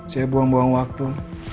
saya buang buang waktu